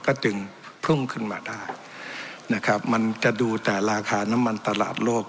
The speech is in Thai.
ก็จึงพุ่งขึ้นมาได้นะครับมันจะดูแต่ราคาน้ำมันตลาดโลก